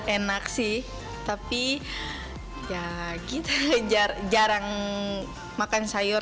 enak sih tapi ya kita jarang makan sayur